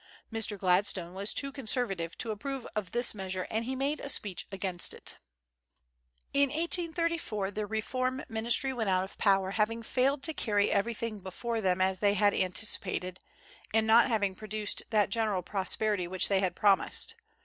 Mr. Gladstone was too conservative to approve of this measure, and he made a speech against it. In 1834 the reform ministry went out of power, having failed to carry everything before them as they had anticipated, and not having produced that general prosperity which they had promised.